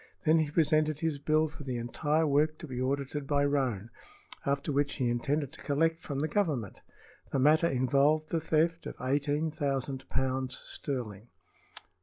Then he presented his bill for the entire work to be audited by Roane, after which he intended to collect from the Government. The matter involved the theft of eighteen thousand pounds sterling.